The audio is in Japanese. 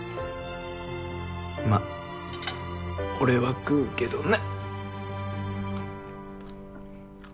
まあ俺は食うけどね。